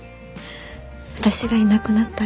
私がいなくなったら。